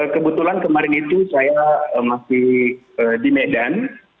kebetulan kemarin itu saya masih di medan